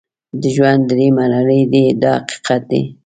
د ژوند درې مرحلې دي دا حقیقت دی.